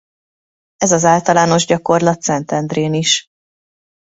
Ez az általános gyakorlat Szentendrén is.